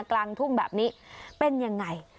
กลางทุ่งแบบนี้เป็นยังไง